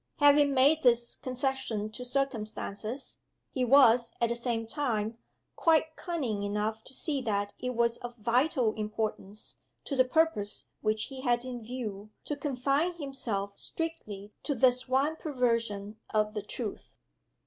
Having made this concession to circumstances, he was, at the same time, quite cunning enough to see that it was of vital importance to the purpose which he had in view, to confine himself strictly to this one perversion of the truth.